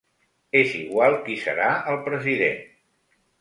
És igual qui serà el president.